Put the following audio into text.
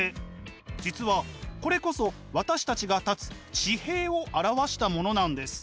実はこれこそ私たちが立つ地平を表したものなんです。